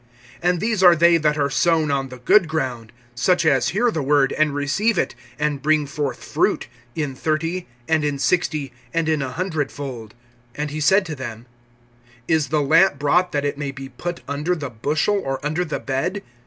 (20)And these are they that are sown on the good ground; such as hear the word, and receive it, and bring forth fruit, in thirty, and in sixty, and in a hundredfold. (21)And he said to them: Is the lamp brought that it may be put under the bushel, or under the bed?